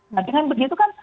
nah dengan begitu kan